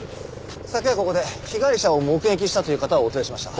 昨夜ここで被害者を目撃したという方をお連れしました。